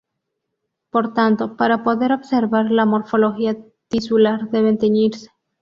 Por tanto, para poder observar la morfología tisular deben "teñirse".